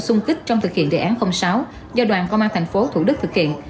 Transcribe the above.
xung kích trong thực hiện đề án sáu do đoàn công an thành phố thủ đức thực hiện